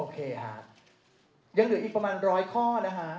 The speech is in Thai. อย่างเหลืออีกประมาณร้อยข้อนะฮะ